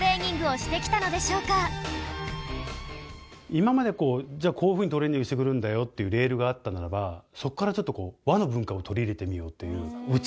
今までこうじゃあこういう風にトレーニングしてくるんだよっていうレールがあったならばそこからちょっと和の文化を取り入れてみようという。